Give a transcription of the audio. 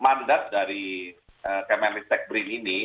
mandat dari kementerian teknik brin ini